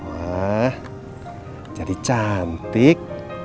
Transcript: wah jadi cantik